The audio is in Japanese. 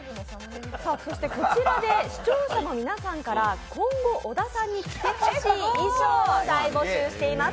こちらで視聴者の皆さんから今後、小田さんに着てほしい衣装を大募集しています。